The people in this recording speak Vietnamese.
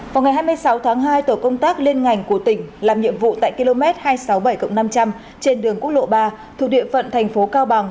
vào ngày hai mươi sáu tháng hai tổ công tác liên ngành của tỉnh làm nhiệm vụ tại km hai trăm sáu mươi bảy năm trăm linh trên đường quốc lộ ba thuộc địa phận thành phố cao bằng